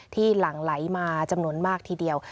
หลั่งไหลมาจำนวนมากทีเดียว